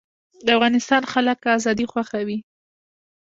د افغانستان خلک ازادي خوښوي